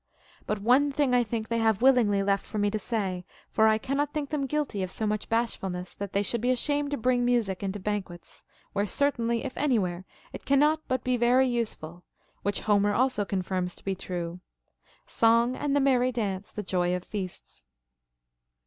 But one thing I think they have willingly left for me to say ; for I cannot think them guilty of so much bashfulness that they should be ashamed to bring music into banquets, where certainly, if anywhere, it can not but be very useful, which Homer also confirms to be true :— Song and the merry dance, the joy of feasts.